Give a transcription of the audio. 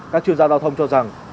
các chuyên gia giao thông cho rằng